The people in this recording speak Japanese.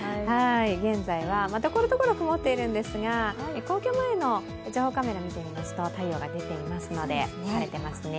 現在はところどころ曇っているんですが皇居前の情報カメラを見ていますと、太陽が出ていますので晴れていますね。